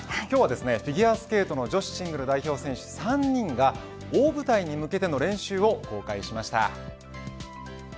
今日はフィギュアスケートの女子シングル代表選手３人が大舞台に向けての練習を公開しました。